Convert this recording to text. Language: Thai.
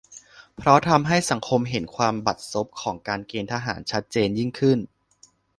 เพราะทำให้สังคมเห็นความบัดซบของการเกณฑ์ทหารชัดเจนยิ่งขึ้น